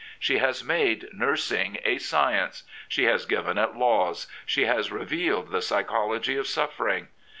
She has made nursing a science. She has given it laws; she has revealed the psychology of suffering.